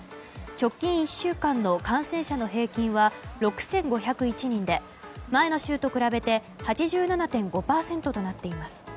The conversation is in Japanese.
直近１週間の感染者の平均は６５０１人で前の週と比べて８７．５％となっています。